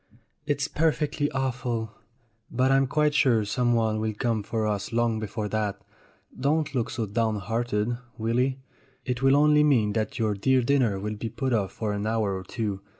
"It's perfectly awful. But I'm quite sure someone will come for us long before that. Don't look so downhearted, Willy ; it will only mean that your dear dinner will be put off for an hour or two.